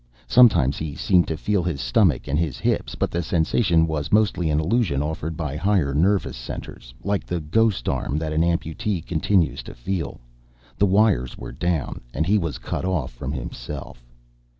Sometimes he seemed to feel his stomach and his hips, but the sensation was mostly an illusion offered by higher nervous centers, like the "ghost arm" that an amputee continues to feel. The wires were down, and he was cut off from himself.